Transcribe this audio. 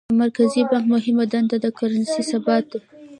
د مرکزي بانک مهمه دنده د کرنسۍ ثبات دی.